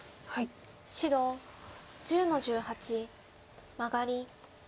白１０の十八マガリ。